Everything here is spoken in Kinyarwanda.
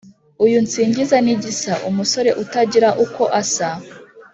Uyu nsingiza ni Gisa umusore utagira uko asa